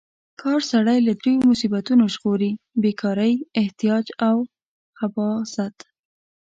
کار سړی له دریو مصیبتونو ژغوري: بې کارۍ، احتیاج او خباثت.